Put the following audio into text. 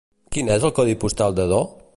Quin és el codi postal d'Ador?